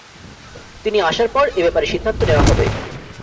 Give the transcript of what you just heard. তিনি আসার পর এ ব্যাপারে সিদ্ধান্ত নেওয়া হবে।